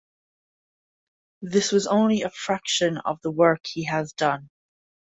This was only a fraction of the work he has done.